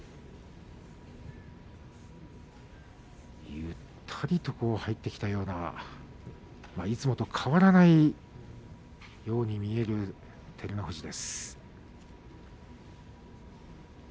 ゆったりと入ってきたようないつもと変わらないように見える照ノ富士です。